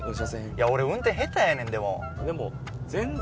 俺運転下手やねんでも。